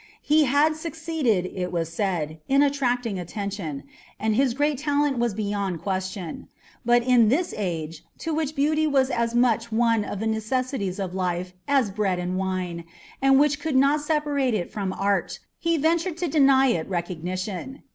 He had succeeded, it was said, in attracting attention, and his great talent was beyond question; but in this age, to which beauty was as much one of the necessities of life as bread and wine, and which could not separate it from art, he ventured to deny it recognition.